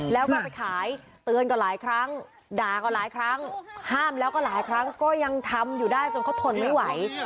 แล้วก็ไปขายเตือนก็หลายครั้งด่าก็หลายครั้งห้ามแล้วก็หลายครั้งก็ยังทำอยู่ได้จนเขาทนไม่ไหว